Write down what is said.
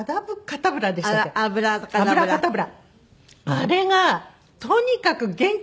あれがとにかく元気よくて。